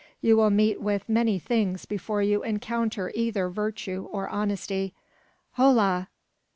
You will meet with many things before you encounter either virtue or honesty. Hola!